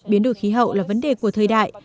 biến đổi khí hậu là vấn đề của thời đại